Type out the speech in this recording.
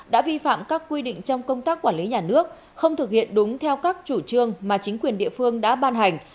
đã vi phạm các quy định trong công tác quản lý nhà nước không thực hiện đúng theo các chủ trương mà chính quyền địa phương đã ban hành